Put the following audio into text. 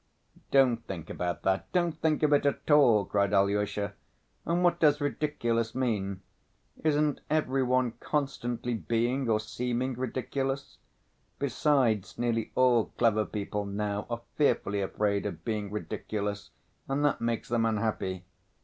"Don't think about that, don't think of it at all!" cried Alyosha. "And what does ridiculous mean? Isn't every one constantly being or seeming ridiculous? Besides, nearly all clever people now are fearfully afraid of being ridiculous, and that makes them unhappy.